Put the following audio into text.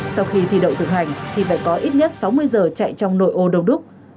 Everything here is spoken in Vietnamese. sau khi thi đậu thực hành thì phải có ít nhất sáu mươi giờ chạy trong nội ô đông đúc